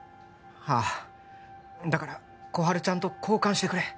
ああだから心春ちゃんと交換してくれ